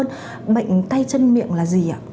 thưa bác sĩ bệnh tay chân miệng là gì ạ